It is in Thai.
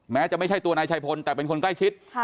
แม้จะไม่ใช่ตัวนายชายพลแต่เป็นคนใกล้ชิด